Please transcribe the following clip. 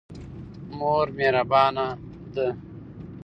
مور مهربانه ده.